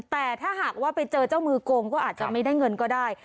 แต่ถ้าหากว่าไปเจอเจ้ามือโกงก็อาจจะไม่ได้เงินก็ได้